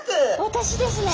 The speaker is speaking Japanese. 私ですね。